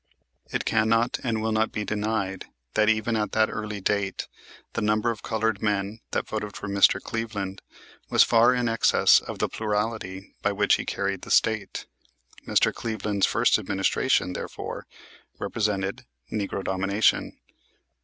It cannot and will not be denied that even at that early date the number of colored men that voted for Mr. Cleveland was far in excess of the plurality by which he carried the State. Mr. Cleveland's first administration, therefore, represented "Negro Domination."